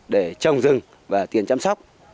để trồng rừng và tiền chăm sóc